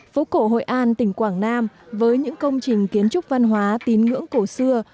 phố cổ hội an tỉnh quảng nam với những công trình kiến trúc văn hóa tín ngưỡng cổ xưa